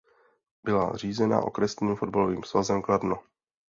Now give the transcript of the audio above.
Byla řízena Okresním fotbalovým svazem Kladno.